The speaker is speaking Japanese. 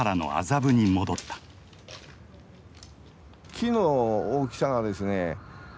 木の大きさがですね